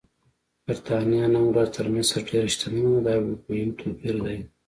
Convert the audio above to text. برېټانیا نن ورځ تر مصر ډېره شتمنه ده، دا یو مهم توپیر دی.